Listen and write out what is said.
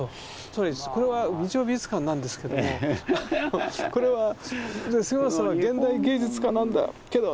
つまりこれは「日曜美術館」なんですけどもこれは杉本さんは現代芸術家なんだけど。